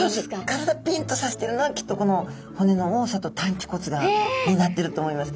体ピンッとさせてるのはきっとこの骨の多さと担鰭骨がになってると思います。